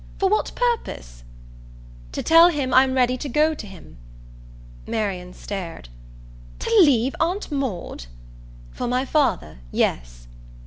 "For what purpose?" "To tell him I'm ready to go to him." Marian stared. "To leave Aunt Maud ?" "For my father, yes."